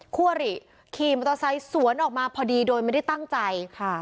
คู่อาหรี่ขี่มอไซด์สวนออกมาพอดีโดยไม่ได้ตั้งใจ